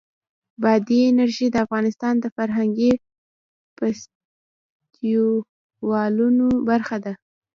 بادي انرژي د افغانستان د فرهنګي فستیوالونو برخه ده.